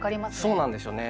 そうなんですよね。